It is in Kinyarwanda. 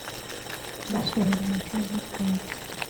Nabisobanuye inshuro nyinshi cyane